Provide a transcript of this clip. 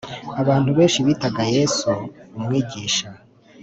Abantu benshi bitaga Yesu Umwigisha